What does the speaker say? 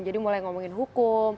jadi mulai ngomongin hukum